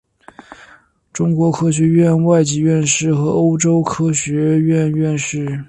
中国科学院外籍院士和欧洲科学院院士。